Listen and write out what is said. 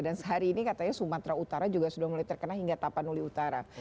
dan sehari ini katanya sumatera utara juga sudah mulai terkena hingga tapanuli utara